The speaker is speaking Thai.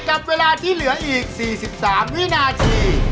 กับเวลาที่เหลืออีก๔๓วินาที